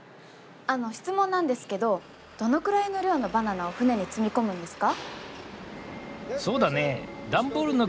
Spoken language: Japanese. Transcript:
あの質問なんですけどどのくらいの量のバナナを船に積み込むんですか？